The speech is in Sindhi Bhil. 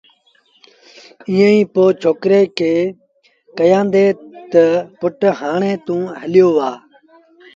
ائيٚݩ پو ڇوڪري کي ڪهيآݩدي تا پُٽ هآڻي توݩ هليو وهآ